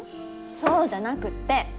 そうじゃなくって。